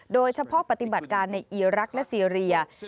โดยเฉพาะปฏิบัติการในอีรักและซีเรีย